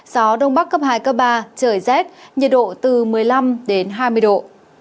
gió đông bắc cấp hai cấp ba trời rét nhiệt độ từ một mươi năm đến hai mươi độ